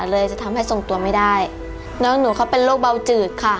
เลยจะทำให้ทรงตัวไม่ได้น้องหนูเขาเป็นโรคเบาจืดค่ะ